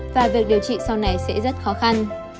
và việc điều trị sau này sẽ rất khó khăn